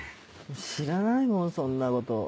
知らないもんそんなこと。